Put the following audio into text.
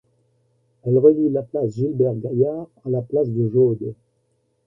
Elle relie la place Gilbert-Gaillard à la place de Jaude.